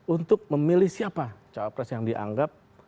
untuk memilih siapa cawapres yang dianggap